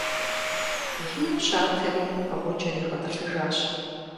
Ину щатэри, гъуджэр игъэтӀылъыжащ.